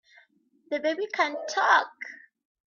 The baby can TALK!